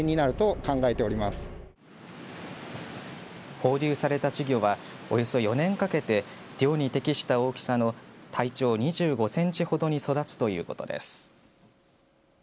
放流された稚魚はおよそ４年かけて漁に適した大きさの体長２５センチほどに育つということです。